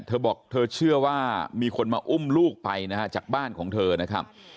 เธอบอกเธอเชื่อว่ามีคนมาอุ้มลูกไปนะฮะจากบ้านของเธอนะครับ